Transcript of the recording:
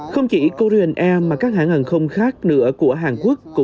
không chỉ korean air mà các hãng hàng không khác nữa của hàn quốc